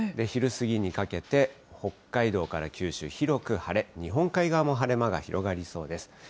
昼過ぎにかけて、北海道から九州、広く晴れ、日本海側も晴れ間が広がりそうです。